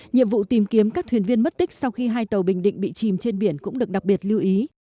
nhiệm vụ tìm kiếm các thuyền viên mất tích sau khi hai tàu bình định bị chìm trên biển cũng được đặc biệt lưu ý